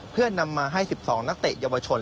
เพื่อนำมาให้๑๒นักเตะเยาวชน